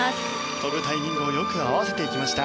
跳ぶタイミング合わせていきました。